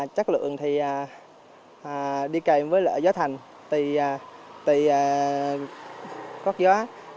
chất lượng thì đi kèm với lợi giá thành tùy có gió